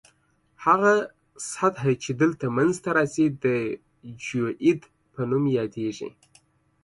هغه سطح چې دلته منځ ته راځي د جیوئید په نوم یادیږي